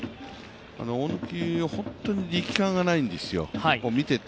大貫、本当に力感がないんですよ、見てて。